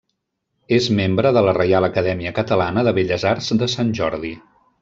És membre de la Reial Acadèmia Catalana de Belles Arts de Sant Jordi.